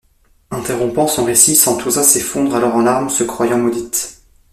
Interrompant son récit, Santuzza s’effondre alors en larmes, se croyant maudite.